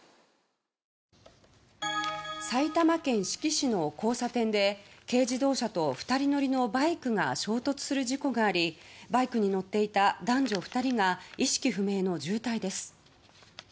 埼玉県志木市の交差点で軽自動車と２人乗りのバイクが衝突する事故がありバイクに乗っていた男女２人が意識不明の重体です。